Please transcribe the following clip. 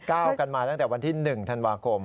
กันมาตั้งแต่วันที่๑ธันวาคม